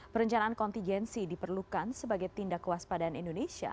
perencanaan kontingensi diperlukan sebagai tindak kewaspadaan indonesia